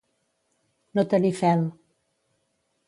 No tenir fel.